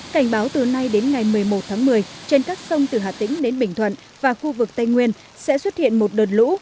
cảnh báo từ nay đến ngày một mươi một tháng một mươi trên các sông từ hà tĩnh đến bình thuận và khu vực tây nguyên sẽ xuất hiện một đợt lũ